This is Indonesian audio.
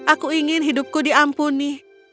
aku ingin hidupku diampuni